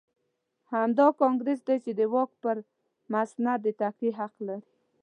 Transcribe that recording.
همدا کانګرېس دی چې د واک پر مسند د تکیې حق لري.